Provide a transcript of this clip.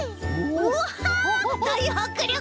わあだいはくりょく！